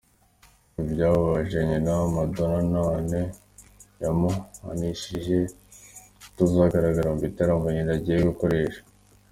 Ibi byababaje nyina, Madonna, none yamuhanishije kutazagaragara mu bitaramo, nyina agiye gukoresha.